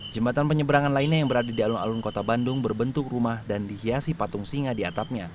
jembatan penyeberangan lainnya yang berada di alun alun kota bandung berbentuk rumah dan dihiasi patung singa di atapnya